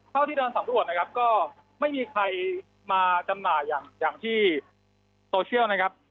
ที่เดินสำรวจนะครับก็ไม่มีใครมาจำหน่ายอย่างที่โซเชียลนะครับ